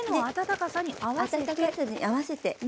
温かさに合わせて。